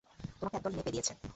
তোমাকে একদল মেয়ে পেদেয়িছে।